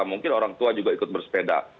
mungkin orang tua juga ikut bersepeda